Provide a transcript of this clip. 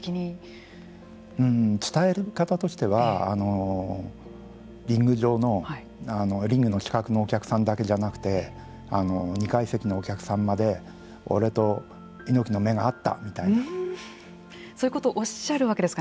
伝え方としてはリングから死角になるお客さんだけじゃなくて２階席のお客さんまで俺と猪木、目が合ったみたいな。